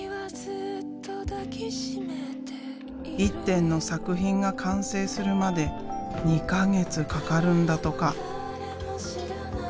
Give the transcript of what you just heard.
１点の作品が完成するまで２か月かかるんだとか。